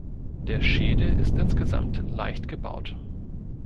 Der Schädel ist insgesamt leicht gebaut.